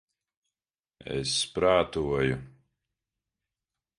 Es prātoju...